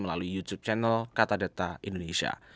melalui youtube channel katadeta indonesia